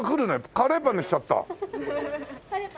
カレーパンにしちゃいました。